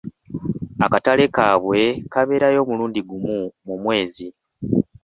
Akatale kaabwe kabeerayo omulundi gumu mu mwezi.